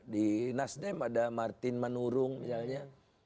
di nasdem ada martin manurung misalnya